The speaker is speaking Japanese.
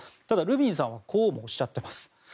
ただ、ルビンさんはこうもおっしゃっています。